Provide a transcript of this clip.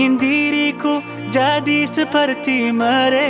ingin diriku jadi seperti mereka